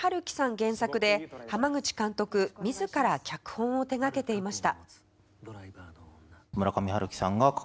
原作で濱口監督自ら脚本を手掛けていました。